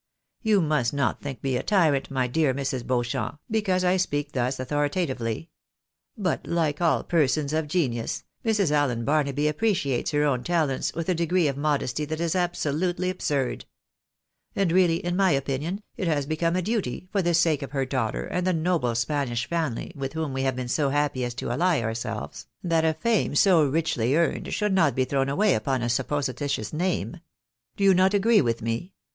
You must not think me a tyrant, my dear Mrs. Beauchamp, be cause I speak thus authoritatively ; but like all persons of genius, Mrs. Allen Barnaby appreciates her own talents with a degree of modesty that is absolutely absurd ; and really, in my opinion, it has become a duty, for the sake of her daughter, and the noble Spanish family with whom we have been so happy as to ally our selves, that a fame so richly earned, should not be thrown away Tipon a supposititious name. Do you not agree with me